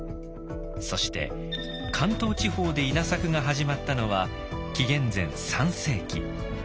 そして関東地方で稲作が始まったのは紀元前３世紀。